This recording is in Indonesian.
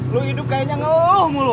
lo hidup kayaknya ngeluh mulu